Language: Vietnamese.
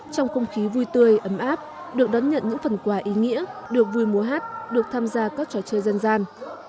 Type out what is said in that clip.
trong không khí vui tươi ấm áp được đón nhận những phần quà ý nghĩa được vui mùa hát được tham gia các trò chơi dân gian